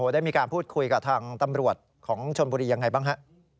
ได้มีการพูดคุยกับทางตำรวจของชนบุรียังไงบ้างฮะ